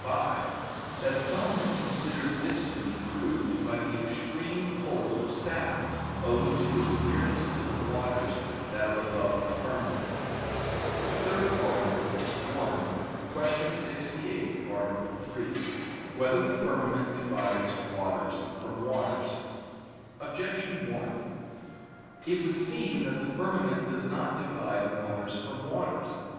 ii, 5) that some have considered this to be proved by the extreme cold of Saturn owing to its nearness to the waters that are above the firmament. _______________________ THIRD ARTICLE [I, Q. 68, Art. 3] Whether the Firmament Divides Waters from Waters? Objection 1: It would seem that the firmament does not divide waters from waters.